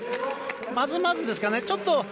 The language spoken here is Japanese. まずまずですかね。